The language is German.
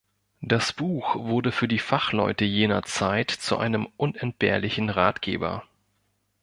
Das Buch wurde für die Fachleute jener Zeit zu einem unentbehrlichen Ratgeber.